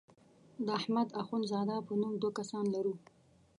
د احمد اخوند زاده په نوم دوه کسان لرو.